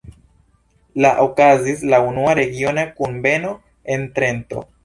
La okazis la unua regiona kunveno en Trento.